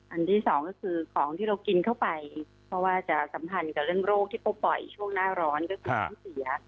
ที่สองก็คือของที่เรากินเข้าไปเพราะว่าจะสัมพันธ์กับเรื่องโรคที่เขาปล่อยช่วงหน้าร้อนก็คือต้องเสีย